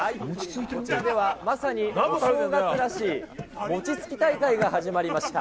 こちらではまさにお正月らしい、餅つき大会が始まりました。